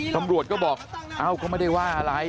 ตำรวจก็บอกเอ้าก็ไม่ได้ว่าอะไร